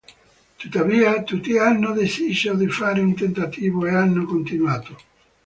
Tuttavia, tutti hanno deciso di fare un tentativo e hanno continuato.